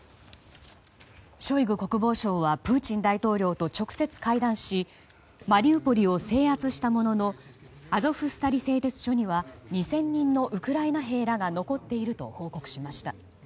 ショイグ国防相はプーチン大統領と直接会談しマリウポリを制圧したもののアゾフスタリ製鉄所には２０００人のウクライナ兵らが残っていると報告しました。